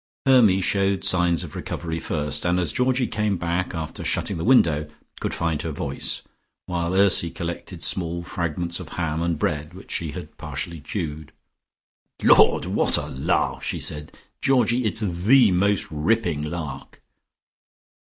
Hermy showed signs of recovery first, and as Georgie came back after shutting the window, could find her voice, while Ursy collected small fragments of ham and bread which she had partially chewed. "Lord! What a lark!" she said. "Georgie, it's the most ripping lark."